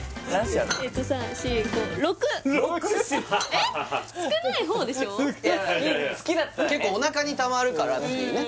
えっと３４５結構おなかにたまるからっていうね